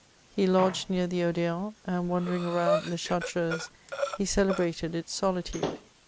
He lodged near the Odeon, and wandering around tJie Char treuse, he celebrated its solitude.